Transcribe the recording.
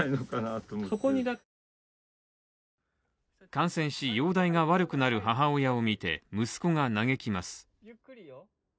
感染し、容体が悪くなる母親を見て息子が嘆きます。